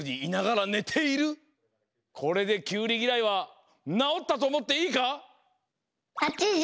これでキュウリぎらいはなおったとおもっていいか？